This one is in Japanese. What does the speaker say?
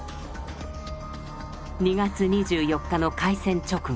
２月２４日の開戦直後